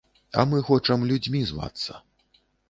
А мы хочам людзьмі звацца.